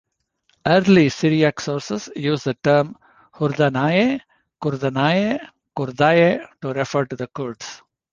Early Syriac sources use the terms "Hurdanaye, Kurdanaye, Kurdaye" to refer to the Kurds.